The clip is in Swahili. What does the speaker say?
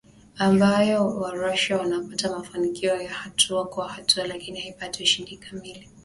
Ambayo wa-Russia wanapata mafanikio ya hatua kwa hatua lakini haipati ushindi kamili